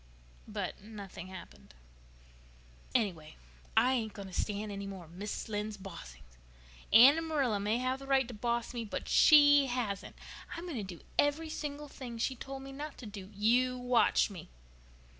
But nothing happened. "Anyway, I ain't going to stand any more of Mrs. Lynde's bossing," spluttered Davy. "Anne and Marilla may have the right to boss me, but she hasn't. I'm going to do every single thing she told me not to do. You watch me."